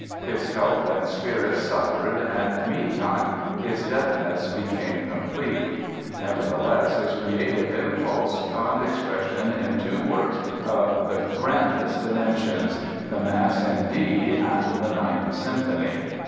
His health and spirits suffered and, meantime, his deafness became complete. Nevertheless his creative impulse found expression in two works of the grandest dimensions, the Mass in D and the Ninth Symphony.